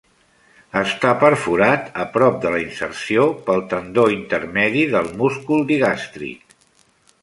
Està perforat, a prop de la inserció, pel tendó intermedi del múscul digàstric.